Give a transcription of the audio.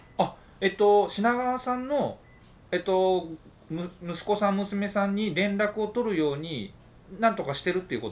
えと品川さんの息子さん娘さんに連絡を取るように何とかしてるっていうことですか？